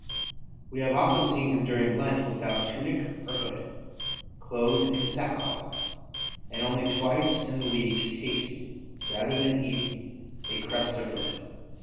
We have often seen him during Lent without tunic or hood, clothed in sackcloth, and only twice in the week tasting, rather than eating, a crust of bread."